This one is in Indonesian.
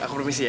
aku permisi ya